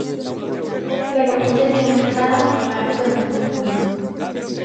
La capilla tiene entrada con arco de medio punto.